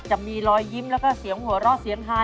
จะมีรอยยิ้มแล้วก็เสียงหัวเราะเสียงฮา